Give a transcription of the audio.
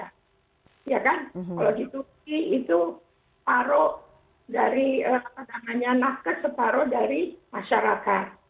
kalau di tuki itu paruh dari penanganan nafket separuh dari masyarakat